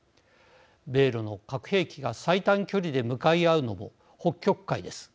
米ロの核兵器が最短距離で向かい合うのも北極海です。